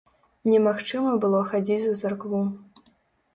Немагчыма было хадзіць у царкву.